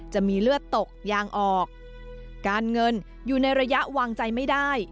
จะมีเลือดตกยางออกการเงินอยู่ในระยะวางใจไม่ได้